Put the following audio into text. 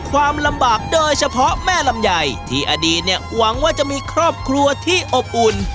คือเขามีเมียทั้งหมด๔คน